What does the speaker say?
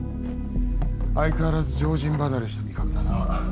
相変わらず常人離れした味覚だな。